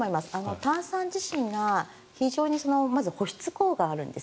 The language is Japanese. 炭酸自身が非常に保湿効果があるんです。